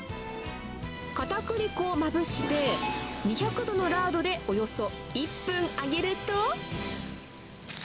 かたくり粉をまぶして、２００度のラードでおよそ１分揚げると。